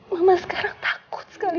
mama sekarang takut sekali